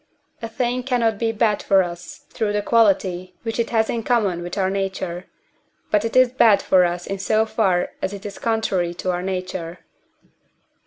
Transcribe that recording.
A thing cannot be bad for us through the quality which it has in common with our nature, but it is bad for us in so far as it is contrary to our nature.